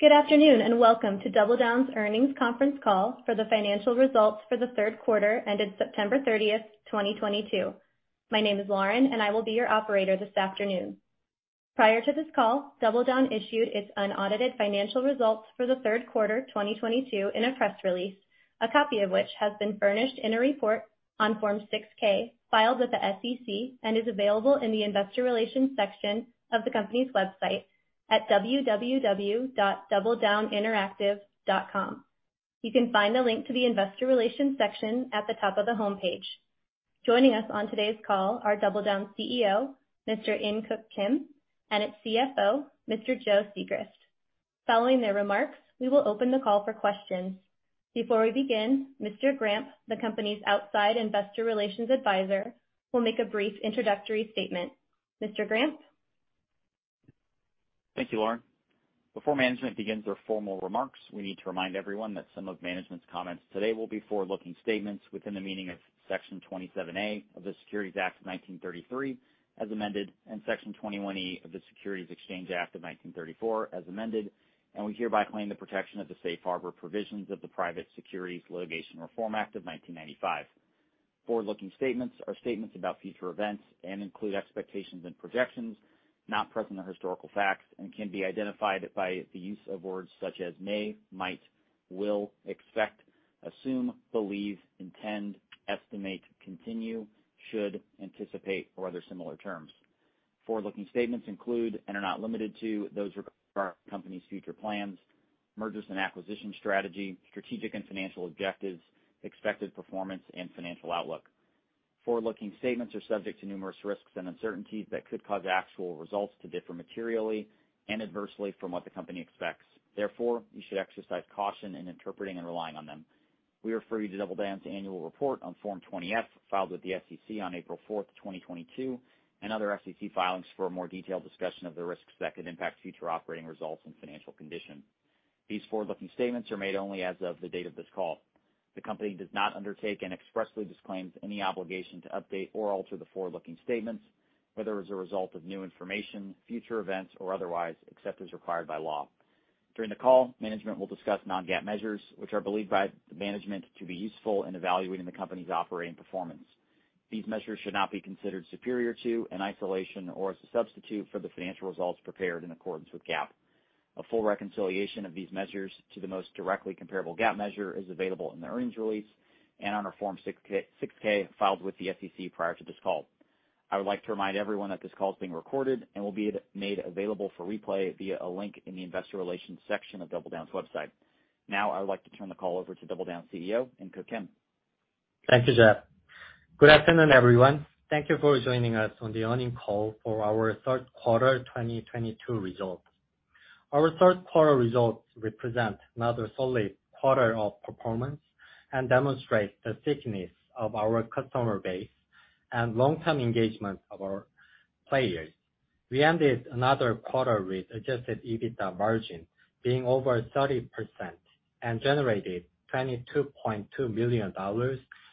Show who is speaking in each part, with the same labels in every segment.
Speaker 1: Good afternoon, and welcome to DoubleDown's earnings conference call for the financial results for the third quarter ended September 30th, 2022. My name is Lauren, and I will be your operator this afternoon. Prior to this call, DoubleDown issued its unaudited financial results for the third quarter, 2022 in a press release, a copy of which has been furnished in a report on Form 6-K filed with the SEC and is available in the investor relations section of the company's website at www.doubledowninteractive.com. You can find the link to the investor relations section at the top of the homepage. Joining us on today's call are DoubleDown CEO, Mr. In-Keuk Kim, and its CFO, Mr. Joe Sigrist. Following their remarks, we will open the call for questions. Before we begin, Mr. Grampp, the company's outside investor relations advisor, will make a brief introductory statement. Mr. Grampp?
Speaker 2: Thank you, Lauren. Before management begins their formal remarks, we need to remind everyone that some of management's comments today will be forward-looking statements within the meaning of Section 27A of the Securities Act of 1933, as amended, and Section 21E of the Securities Exchange Act of 1934, as amended, and we hereby claim the protection of the safe harbor provisions of the Private Securities Litigation Reform Act of 1995. Forward-looking statements are statements about future events and include expectations and projections not present in historical facts and can be identified by the use of words such as may, might, will, expect, assume, believe, intend, estimate, continue, should, anticipate, or other similar terms. Forward-looking statements include, and are not limited to, those regarding the company's future plans, mergers and acquisition strategy, strategic and financial objectives, expected performance, and financial outlook. Forward-looking statements are subject to numerous risks and uncertainties that could cause actual results to differ materially and adversely from what the company expects. Therefore, you should exercise caution in interpreting and relying on them. We refer you to DoubleDown's annual report on Form 20-F, filed with the SEC on April 4th, 2022, and other SEC filings for a more detailed discussion of the risks that could impact future operating results and financial condition. These forward-looking statements are made only as of the date of this call. The company does not undertake and expressly disclaims any obligation to update or alter the forward-looking statements, whether as a result of new information, future events or otherwise, except as required by law. During the call, management will discuss non-GAAP measures, which are believed by the management to be useful in evaluating the company's operating performance. These measures should not be considered superior to, in isolation or as a substitute for the financial results prepared in accordance with GAAP. A full reconciliation of these measures to the most directly comparable GAAP measure is available in the earnings release and on our Form 6-K filed with the SEC prior to this call. I would like to remind everyone that this call is being recorded and will be made available for replay via a link in the investor relations section of DoubleDown's website. Now I would like to turn the call over to DoubleDown CEO, In-Keuk Kim.
Speaker 3: Thank you, Jeff. Good afternoon, everyone. Thank you for joining us on the earnings call for our third quarter 2022 results. Our third quarter results represent another solid quarter of performance and demonstrate the stickiness of our customer base and long-term engagement of our players. We ended another quarter with adjusted EBITDA margin being over 30% and generated $22.2 million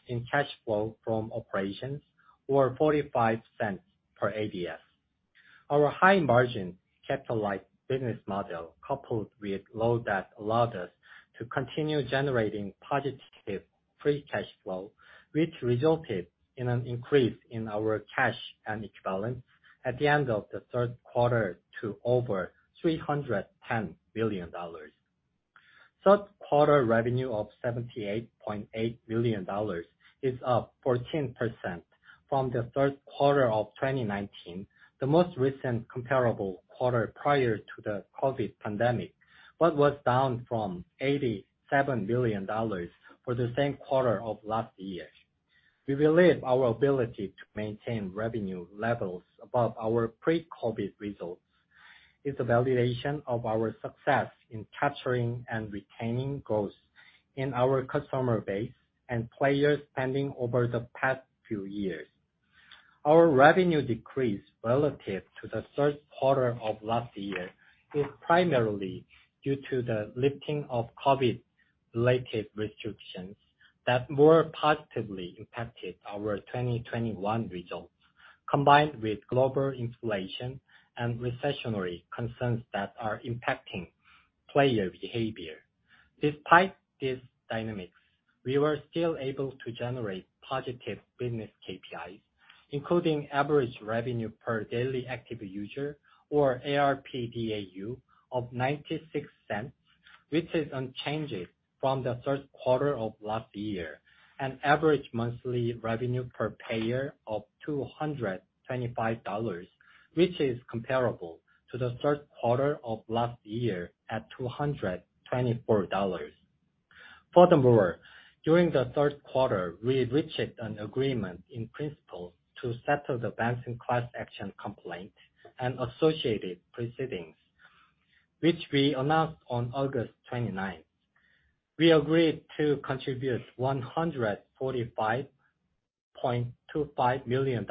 Speaker 3: in cash flow from operations or $0.45 per ADS. Our high margin capital-light business model, coupled with low debt, allowed us to continue generating positive free cash flow, which resulted in an increase in our cash equivalents balance at the end of the third quarter to over $310 million. Third quarter revenue of $78.8 million is up 14% from the third quarter of 2019, the most recent comparable quarter prior to the COVID pandemic, but was down from $87 million for the same quarter of last year. We believe our ability to maintain revenue levels above our pre-COVID results is a validation of our success in capturing and retaining growth in our customer base and players spending over the past few years. Our revenue decrease relative to the third quarter of last year is primarily due to the lifting of COVID-related restrictions that more positively impacted our 2021 results, combined with global inflation and recessionary concerns that are impacting player behavior. Despite these dynamics, we were still able to generate positive business KPIs, including average revenue per daily active user or ARPDAU of $0.96, which is unchanged from the third quarter of last year, and average monthly revenue per payer of $225, which is comparable to the third quarter of last year at $224. Furthermore, during the third quarter, we reached an agreement in principle to settle the Benson class action complaint and associated proceedings, which we announced on August 29. We agreed to contribute $145.25 million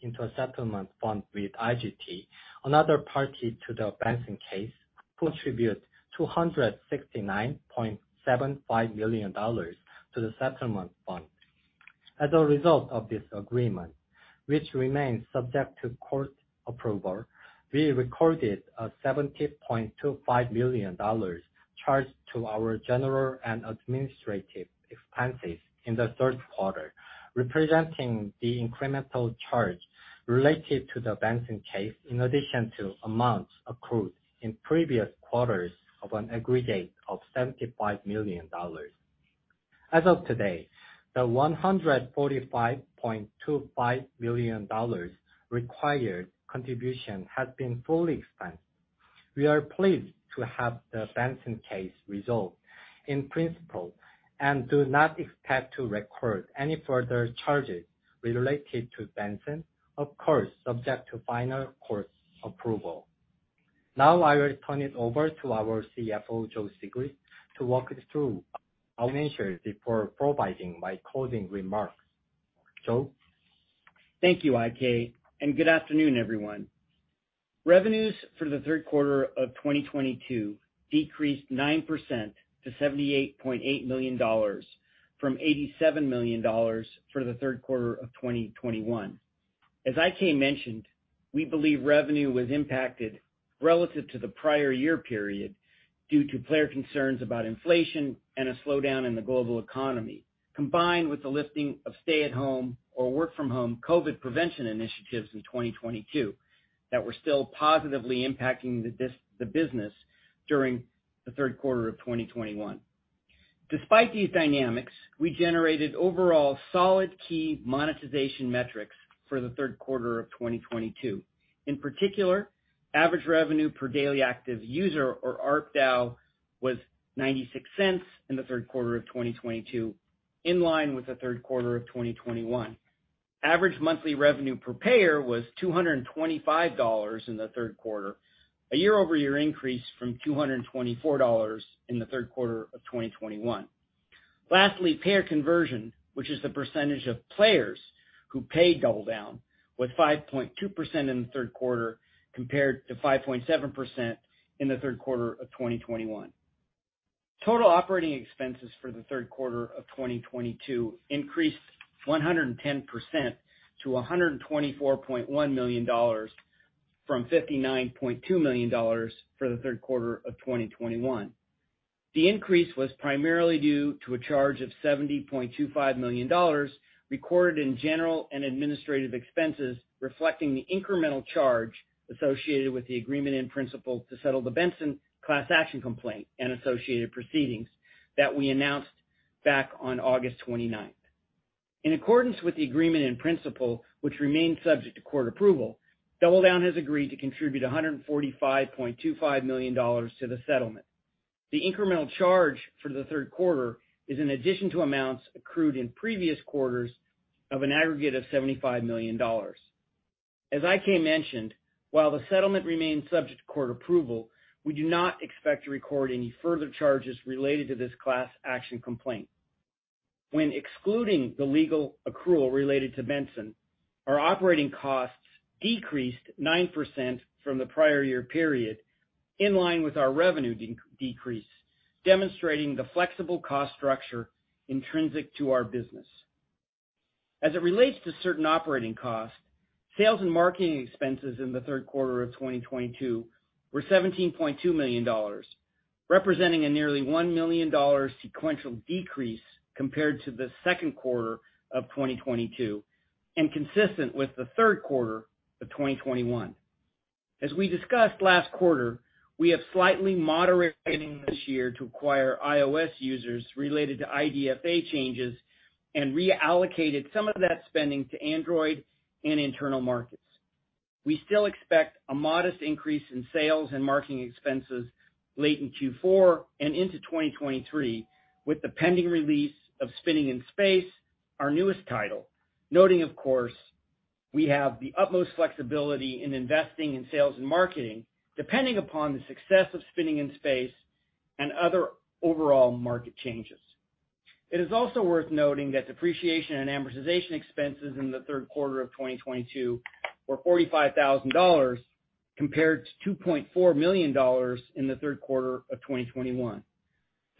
Speaker 3: into a settlement fund with IGT, another party to the Benson case, contribute $269.75 million to the settlement fund. As a result of this agreement, which remains subject to court approval, we recorded a $70.25 million charge to our general and administrative expenses in the third quarter, representing the incremental charge related to the Benson case, in addition to amounts accrued in previous quarters of an aggregate of $75 million. As of today, the $145.25 million required contribution has been fully expensed. We are pleased to have the Benson case resolved in principle and do not expect to record any further charges related to Benson, of course, subject to final court approval. Now I will turn it over to our CFO, Joe Sigrist, to walk us through our measures before providing my closing remarks. Joe?
Speaker 4: Thank you, IK, and good afternoon, everyone. Revenues for the third quarter of 2022 decreased 9% to $78.8 million from $87 million for the third quarter of 2021. As IK mentioned, we believe revenue was impacted relative to the prior year period due to player concerns about inflation and a slowdown in the global economy, combined with the lifting of stay-at-home or work-from-home COVID prevention initiatives in 2022 that were still positively impacting the business during the third quarter of 2021. Despite these dynamics, we generated overall solid key monetization metrics for the third quarter of 2022. In particular, average revenue per daily active user, or ARPDAU, was $0.96 in the third quarter of 2022, in line with the third quarter of 2021. Average monthly revenue per payer was $225 in the third quarter, a year-over-year increase from $224 in the third quarter of 2021. Lastly, payer conversion, which is the percentage of players who pay DoubleDown, was 5.2% in the third quarter compared to 5.7% in the third quarter of 2021. Total operating expenses for the third quarter of 2022 increased 110% to $124.1 million from $59.2 million for the third quarter of 2021. The increase was primarily due to a charge of $70.25 million recorded in general and administrative expenses, reflecting the incremental charge associated with the agreement in principle to settle the Benson class action complaint and associated proceedings that we announced back on August 29th. In accordance with the agreement in principle, which remains subject to court approval, DoubleDown has agreed to contribute $145.25 million to the settlement. The incremental charge for the third quarter is in addition to amounts accrued in previous quarters of an aggregate of $75 million. As IK mentioned, while the settlement remains subject to court approval, we do not expect to record any further charges related to this class action complaint. When excluding the legal accrual related to Benson, our operating costs decreased 9% from the prior year period, in line with our revenue decrease, demonstrating the flexible cost structure intrinsic to our business. As it relates to certain operating costs, sales and marketing expenses in the third quarter of 2022 were $17.2 million, representing a nearly $1 million sequential decrease compared to the second quarter of 2022, and consistent with the third quarter of 2021. As we discussed last quarter, we have slightly moderated this year to acquire iOS users related to IDFA changes and reallocated some of that spending to Android and internal markets. We still expect a modest increase in sales and marketing expenses late in Q4 and into 2023 with the pending release of Spinning in Space, our newest title. Noting of course, we have the utmost flexibility in investing in sales and marketing, depending upon the success of Spinning in Space and other overall market changes. It is also worth noting that depreciation and amortization expenses in the third quarter of 2022 were $45,000 compared to $2.4 million in the third quarter of 2021.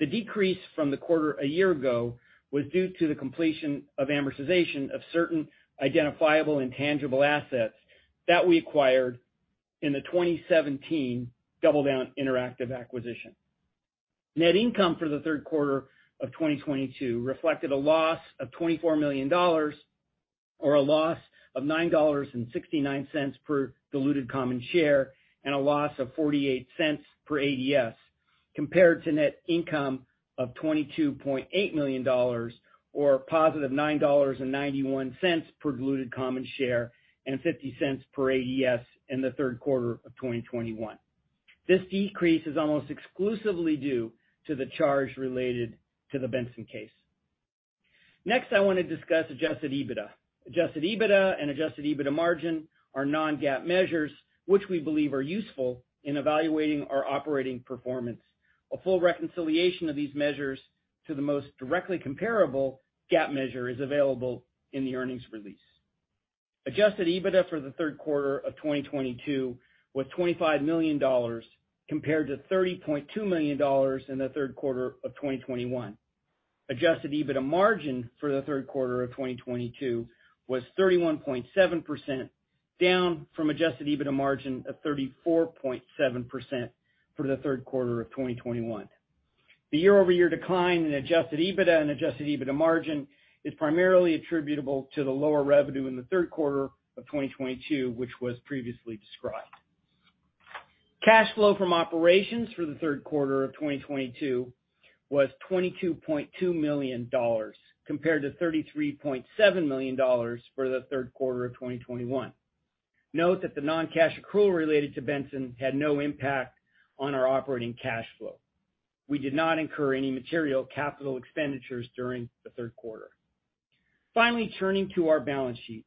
Speaker 4: The decrease from the quarter a year ago was due to the completion of amortization of certain identifiable intangible assets that we acquired in the 2017 DoubleDown Interactive acquisition. Net income for the third quarter of 2022 reflected a loss of $24 million or a loss of $9.69 per diluted common share, and a loss of $0.48 per ADS, compared to net income of $22.8 million or +$9.91 per diluted common share, and $0.50 per ADS in the third quarter of 2021. This decrease is almost exclusively due to the charge related to the Benson case. Next, I want to discuss adjusted EBITDA. Adjusted EBITDA and adjusted EBITDA margin are non-GAAP measures which we believe are useful in evaluating our operating performance. A full reconciliation of these measures to the most directly comparable GAAP measure is available in the earnings release. Adjusted EBITDA for the third quarter of 2022 was $25 million compared to $30.2 million in the third quarter of 2021. Adjusted EBITDA margin for the third quarter of 2022 was 31.7%, down from adjusted EBITDA margin of 34.7% for the third quarter of 2021. The year-over-year decline in adjusted EBITDA and adjusted EBITDA margin is primarily attributable to the lower revenue in the third quarter of 2022, which was previously described. Cash flow from operations for the third quarter of 2022 was $22.2 million compared to $33.7 million for the third quarter of 2021. Note that the non-cash accrual related to Benson had no impact on our operating cash flow. We did not incur any material capital expenditures during the third quarter. Finally, turning to our balance sheet.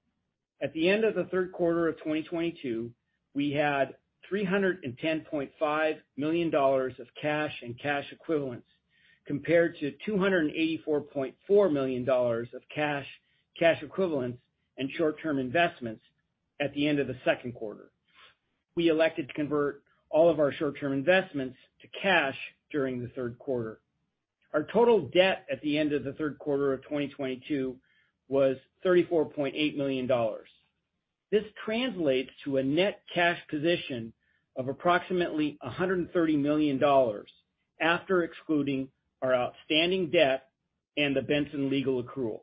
Speaker 4: At the end of the third quarter of 2022, we had $310.5 million of cash and cash equivalents compared to $284.4 million of cash equivalents, and short-term investments at the end of the second quarter. We elected to convert all of our short-term investments to cash during the third quarter. Our total debt at the end of the third quarter of 2022 was $34.8 million. This translates to a net cash position of approximately $130 million after excluding our outstanding debt and the Benson legal accrual.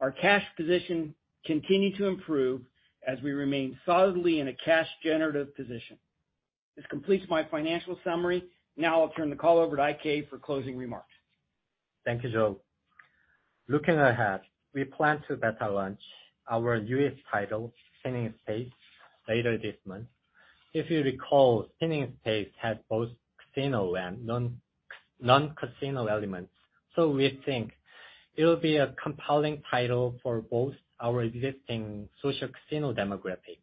Speaker 4: Our cash position continued to improve as we remain solidly in a cash generative position. This completes my financial summary. Now I'll turn the call over to IK for closing remarks.
Speaker 3: Thank you, Joe. Looking ahead, we plan to beta launch our newest title, Spinning in Space, later this month. If you recall, Spinning in Space has both casino and non-casino elements. We think it'll be a compelling title for both our existing social casino demographic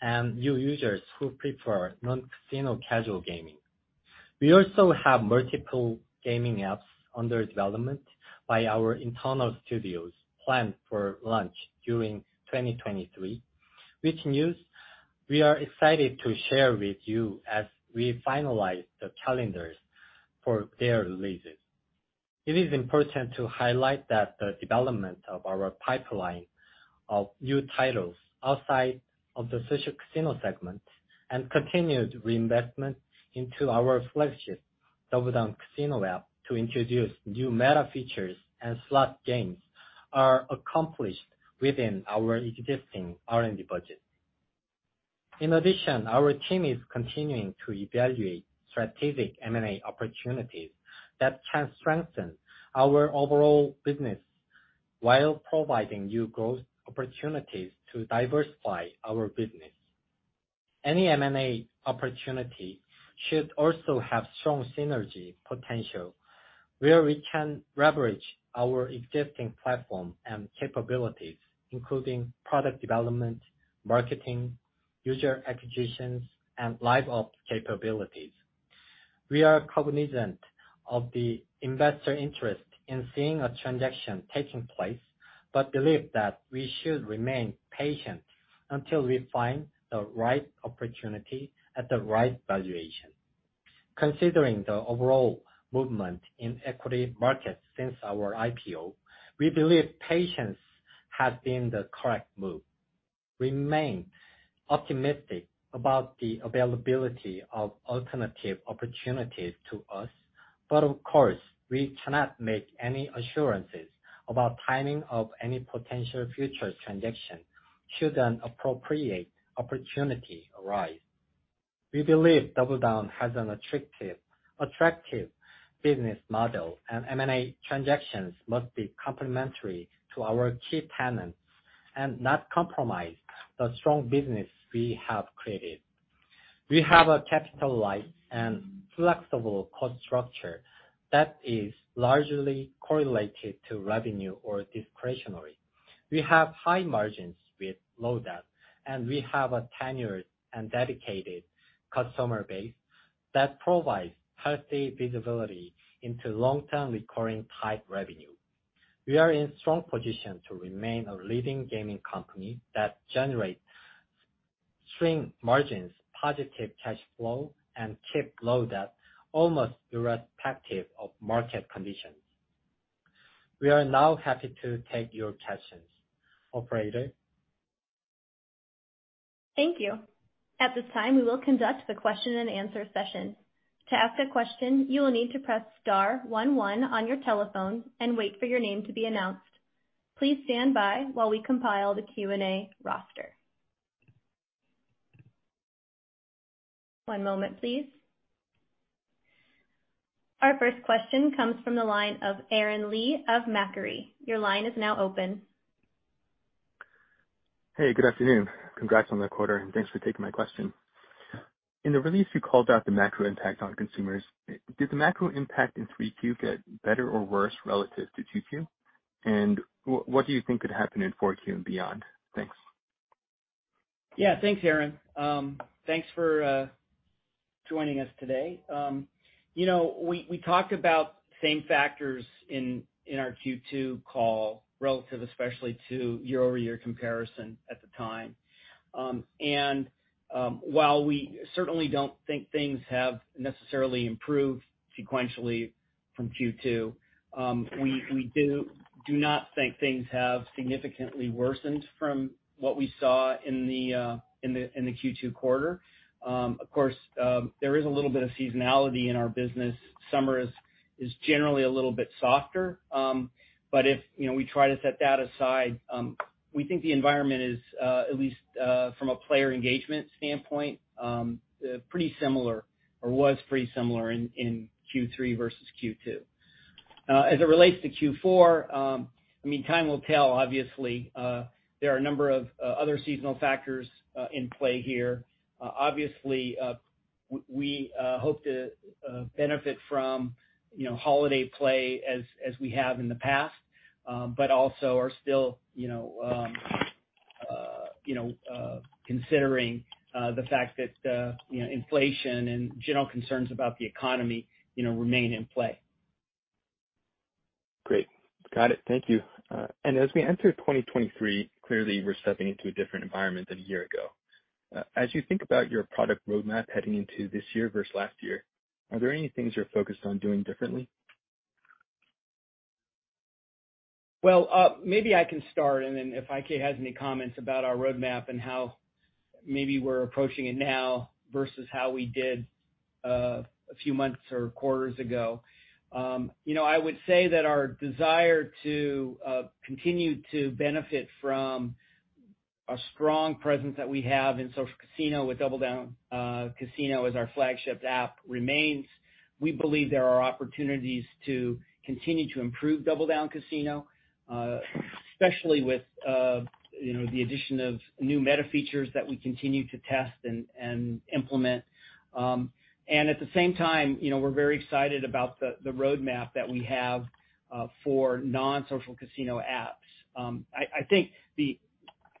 Speaker 3: and new users who prefer non-casino casual gaming. We also have multiple gaming apps under development by our internal studios planned for launch during 2023, which news we are excited to share with you as we finalize the calendars for their releases. It is important to highlight that the development of our pipeline of new titles outside of the social casino segment and continued reinvestment into our flagship DoubleDown Casino app to introduce new meta features and slot games are accomplished within our existing R&D budget. In addition, our team is continuing to evaluate strategic M&A opportunities that can strengthen our overall business while providing new growth opportunities to diversify our business. Any M&A opportunity should also have strong synergy potential, where we can leverage our existing platform and capabilities, including product development, marketing, user acquisitions, and live ops capabilities. We are cognizant of the investor interest in seeing a transaction taking place, but believe that we should remain patient until we find the right opportunity at the right valuation. Considering the overall movement in equity markets since our IPO, we believe patience has been the correct move. Remain optimistic about the availability of alternative opportunities to us, but of course, we cannot make any assurances about timing of any potential future transaction should an appropriate opportunity arise. We believe DoubleDown has an attractive business model and M&A transactions must be complementary to our key tenets and not compromise the strong business we have created. We have a capital light and flexible cost structure that is largely correlated to revenue or discretionary. We have high margins with low debt, and we have a tenured and dedicated customer base that provides healthy visibility into long-term recurring type revenue. We are in strong position to remain a leading gaming company that generates strong margins, positive cash flow, and keep low debt almost irrespective of market conditions. We are now happy to take your questions. Operator?
Speaker 1: Thank you. At this time, we will conduct the question-and-answer session. To ask a question, you will need to press star one one on your telephone and wait for your name to be announced. Please stand by while we compile the Q&A roster. One moment, please. Our first question comes from the line of Aaron Lee of Macquarie. Your line is now open.
Speaker 5: Hey, good afternoon. Congrats on the quarter, and thanks for taking my question. In the release, you called out the macro impact on consumers. Did the macro impact in 3Q get better or worse relative to 2Q? What do you think could happen in 4Q and beyond? Thanks.
Speaker 4: Yeah, thanks, Aaron. Thanks for joining us today. You know, we talked about same factors in our Q2 call relative especially to year-over-year comparison at the time. While we certainly don't think things have necessarily improved sequentially from Q2, we do not think things have significantly worsened from what we saw in the Q2 quarter. Of course, there is a little bit of seasonality in our business. Summer is generally a little bit softer. If you know, we try to set that aside, we think the environment is at least from a player engagement standpoint pretty similar or was pretty similar in Q3 versus Q2. As it relates to Q4, I mean, time will tell, obviously. There are a number of other seasonal factors in play here. Obviously, we hope to benefit from, you know, holiday play as we have in the past, but also are still, you know, considering the fact that, you know, inflation and general concerns about the economy, you know, remain in play.
Speaker 5: Great. Got it. Thank you. As we enter 2023, clearly we're stepping into a different environment than a year ago. As you think about your product roadmap heading into this year versus last year, are there any things you're focused on doing differently?
Speaker 4: Well, maybe I can start, and then if IK has any comments about our roadmap and how maybe we're approaching it now versus how we did a few months or quarters ago. You know, I would say that our desire to continue to benefit from a strong presence that we have in social casino with DoubleDown Casino as our flagship app remains. We believe there are opportunities to continue to improve DoubleDown Casino, especially with you know, the addition of new meta features that we continue to test and implement. At the same time, you know, we're very excited about the roadmap that we have for non-social casino apps. I think the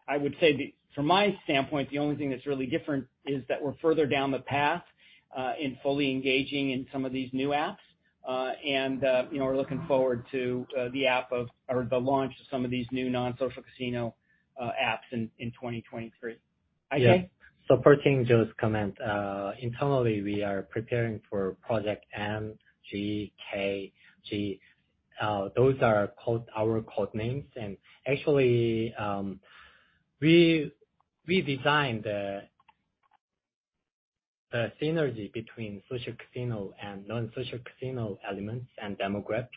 Speaker 4: I would say from my standpoint, the only thing that's really different is that we're further down the path in fully engaging in some of these new apps. You know, we're looking forward to the launch of some of these new non-social casino apps in 2023. IK?
Speaker 3: Yeah. Pertaining to Joe's comment, internally we are preparing for Project MGKG. Those are our code names. Actually, we designed the synergy between social casino and non-social casino elements and demographics.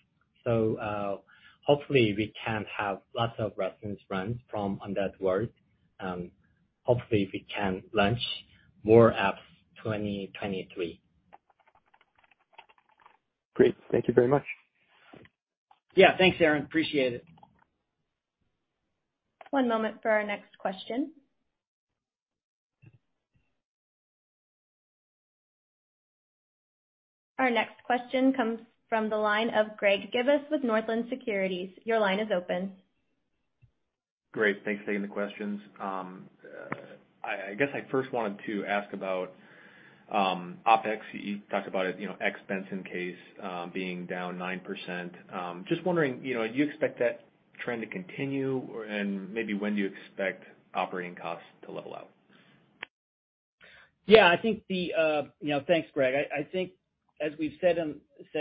Speaker 3: Hopefully we can have lots of reference runs on that work. Hopefully we can launch more apps 2023.
Speaker 5: Great. Thank you very much.
Speaker 4: Yeah. Thanks, Aaron. Appreciate it.
Speaker 1: One moment for our next question. Our next question comes from the line of Greg Gibas with Northland Securities. Your line is open.
Speaker 6: Great. Thanks for taking the questions. I guess I first wanted to ask about OpEx. You talked about, you know, expenses increase being down 9%. Just wondering, you know, do you expect that trend to continue or, and maybe when do you expect operating costs to level out?
Speaker 4: Yeah, you know. Thanks, Greg. I think as we've said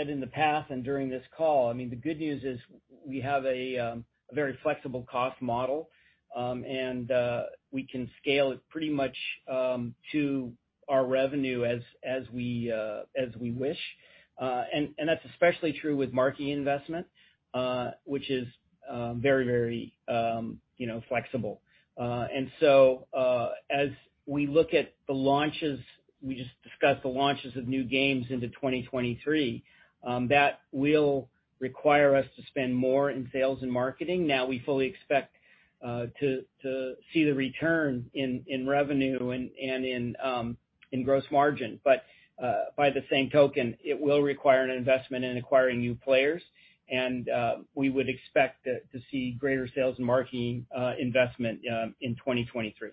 Speaker 4: in the past and during this call, I mean, the good news is we have a very flexible cost model, and we can scale it pretty much to our revenue as we wish. That's especially true with marketing investment, which is very flexible. As we look at the launches we just discussed of new games into 2023, that will require us to spend more in sales and marketing. Now, we fully expect to see the return in revenue and in gross margin. By the same token, it will require an investment in acquiring new players and we would expect to see greater sales and marketing investment in 2023.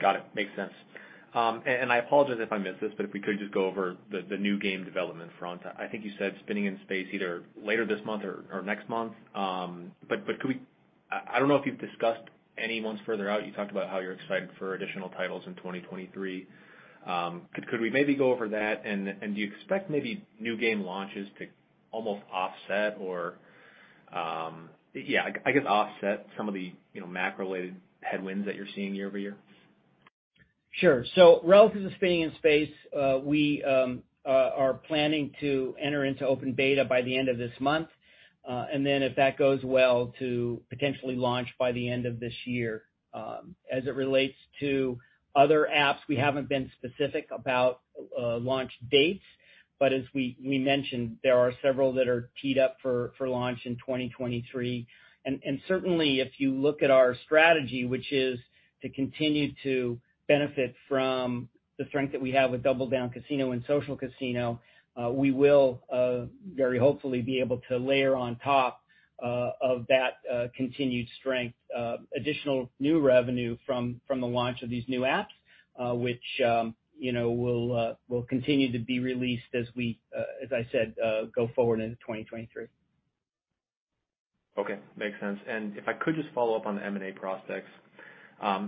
Speaker 6: Got it. Makes sense. I apologize if I missed this, but if we could just go over the new game development front. I think you said Spinning in Space either later this month or next month. But could we? I don't know if you've discussed any months further out. You talked about how you're excited for additional titles in 2023. Could we maybe go over that? Do you expect maybe new game launches to almost offset or, yeah, I guess, offset some of the, you know, macro-related headwinds that you're seeing year-over-year?
Speaker 4: Sure. Relative to Spinning in Space, we are planning to enter into open beta by the end of this month, and then if that goes well, to potentially launch by the end of this year. As it relates to other apps, we haven't been specific about launch dates, but as we mentioned, there are several that are teed up for launch in 2023. Certainly if you look at our strategy, which is to continue to benefit from the strength that we have with DoubleDown Casino and social casino, we will very hopefully be able to layer on top of that continued strength additional new revenue from the launch of these new apps, which you know will continue to be released as I said go forward into 2023.
Speaker 6: Okay, makes sense. If I could just follow up on the M&A prospects,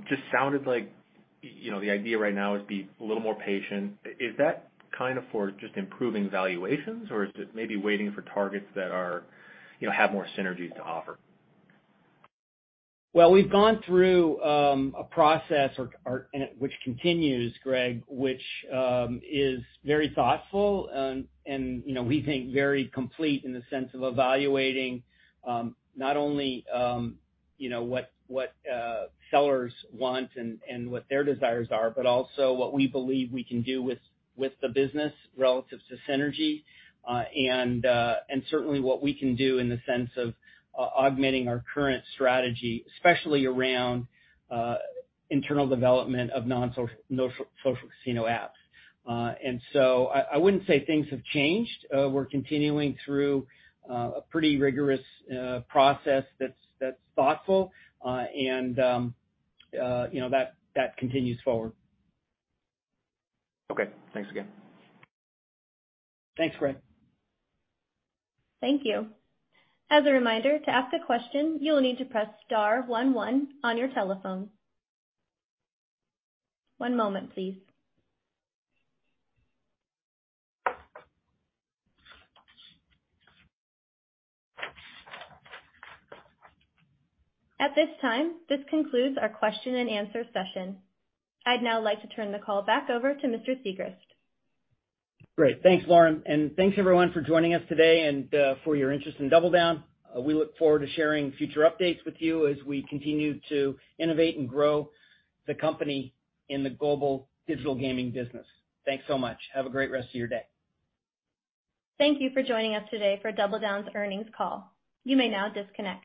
Speaker 6: just sounded like, you know, the idea right now is be a little more patient. Is that kind of for just improving valuations or is it maybe waiting for targets that are, you know, have more synergies to offer?
Speaker 4: Well, we've gone through a process and which continues, Greg, which is very thoughtful and, you know, we think very complete in the sense of evaluating, not only, you know, what sellers want and what their desires are, but also what we believe we can do with the business relative to synergy. And certainly what we can do in the sense of augmenting our current strategy, especially around internal development of non-social casino apps. And so I wouldn't say things have changed. We're continuing through a pretty rigorous process that's thoughtful, and, you know, that continues forward.
Speaker 6: Okay. Thanks again.
Speaker 4: Thanks, Greg.
Speaker 1: Thank you. As a reminder, to ask a question, you'll need to press star one one on your telephone. One moment, please. At this time, this concludes our question and answer session. I'd now like to turn the call back over to Mr. Sigrist.
Speaker 4: Great. Thanks, Lauren, and thanks everyone for joining us today and for your interest in DoubleDown. We look forward to sharing future updates with you as we continue to innovate and grow the company in the global digital gaming business. Thanks so much. Have a great rest of your day.
Speaker 1: Thank you for joining us today for DoubleDown's earnings call. You may now disconnect.